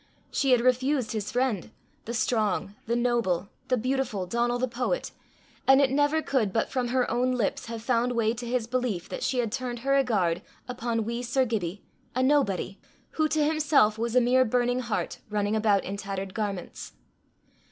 She had refused his friend, the strong, the noble, the beautiful, Donal the poet, and it never could but from her own lips have found way to his belief that she had turned her regard upon wee Sir Gibbie, a nobody, who to himself was a mere burning heart running about in tattered garments.